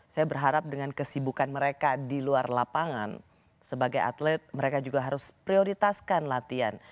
saya berharap dengan kesibukan mereka di luar lapangan sebagai atlet mereka juga harus prioritaskan latihan